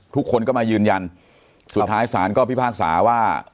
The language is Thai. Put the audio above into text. ทุกคนก็มายืนยันสุดท้ายศาลก็พิพากษาว่า